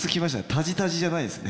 タジタジじゃないんですね。